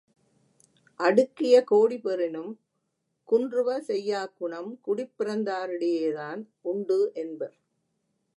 அடுக்கிய கோடி பெறினும், குன்றுவ செய்யாக் குணம் குடிப் பிறந்தாரிடையேதான் உண்டு என்பர்.